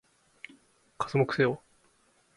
刮目せよ！